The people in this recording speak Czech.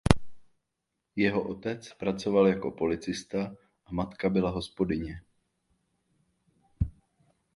Jeho otec pracoval jako policista a matka byla hospodyně.